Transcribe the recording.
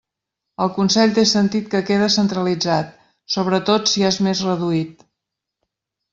El Consell té sentit que quede centralitzat, sobretot si és més reduït.